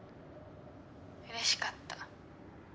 うれしかった。